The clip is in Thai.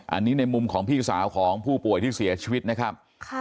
อันนี้ในมุมของพี่สาวของผู้ป่วยที่เสียชีวิตนะครับ